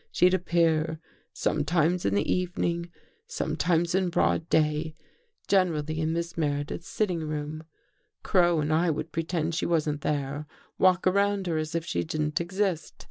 She'd appear — some times In the evening, sometimes In broad day — generally In Miss Meredith's sitting room. Crow and I would pretend she wasn't there — walk 248 THE THIRD CONFESSION around her as if she didn't exist.